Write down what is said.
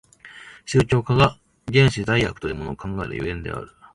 宗教家が原始罪悪というものを考える所以である。